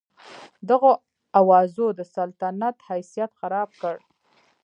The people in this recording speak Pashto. دغو اوازو د سلطنت حیثیت خراب کړ.